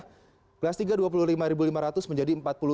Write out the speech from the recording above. dan memang setiap tahunnya kementerian keuangan dan kesehatan